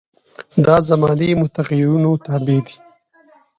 دا زماني متغیرونو تابع دي.